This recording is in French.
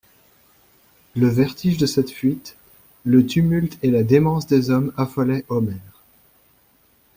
Le vertige de cette fuite, le tumulte et la démence des hommes affolaient Omer.